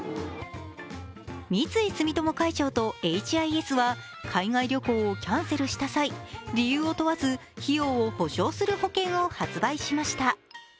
三井住友海上とエイチ・アイ・エスは海外旅行をキャンセルした際理由を問わず、費用を補償する保険を発売しました。